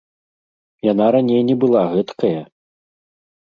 Яна раней не была гэткая!